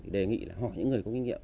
thì đề nghị hỏi những người có kinh nghiệm